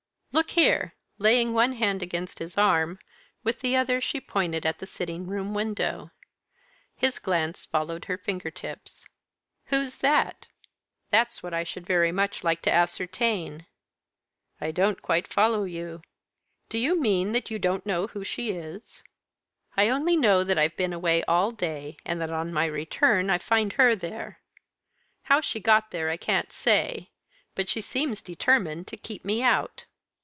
"Look here!" Laying one hand against his arm, with the other she pointed at the sitting room window. His glance followed her finger tips. "Who's that?" "That's what I should very much like to ascertain." "I don't quite follow you. Do you mean that you don't know who she is?" "I only know that I've been away all day, and that on my return I find her there. How she got there I can't say but she seems determined to keep me out."